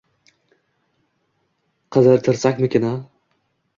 Qidirtirsakmikin-a